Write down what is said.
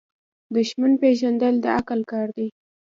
دښمن پیژندل د عقل کار دی.